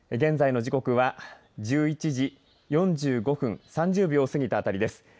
現在の時刻は１１時４５分を過ぎたあたりです。